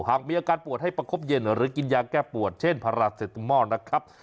หากมีอาการปวดให้ประคบเย็นหรือกินยาแก้ปวดเช่นพาราเซติมอลนะครับ